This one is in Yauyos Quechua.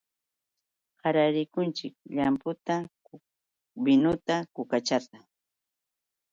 Qararikunchik llamputa, binuta, kukachata.